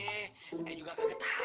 eh juga kagak tau